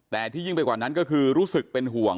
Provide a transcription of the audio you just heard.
แต่ที่ยิ่งไปกว่านั้นก็คือรู้สึกเป็นห่วง